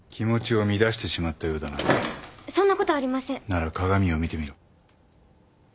なら鏡を見てみろ。